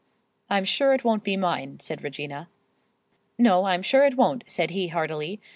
"I'm sure it won't be mine," said Regina. "No, I'm sure it won't," said he heartily.